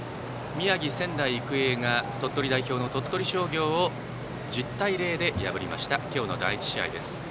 宮城・仙台育英が鳥取代表の鳥取商業を１０対０で破りました今日の第１試合です。